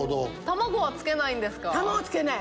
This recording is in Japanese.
卵はつけないんですか？